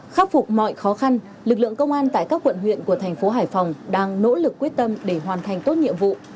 khắc phục mọi khó khăn lực lượng công an tại các quận huyện của thành phố hải phòng đang nỗ lực quyết tâm để hoàn thành tốt nhiệm vụ